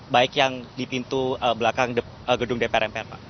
baik yang di pintu belakang gedung dpr mpr pak